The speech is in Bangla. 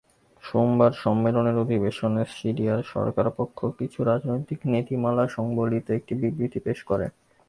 সোমবার সম্মেলনের অধিবেশনে সিরিয়ার সরকারপক্ষ কিছু রাজনৈতিক নীতিমালাসংবলিত একটি বিবৃতি পেশ করে।